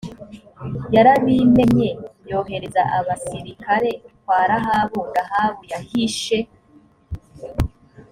yarabimenye yohereza abasirikare kwa rahabu rahabu yahishe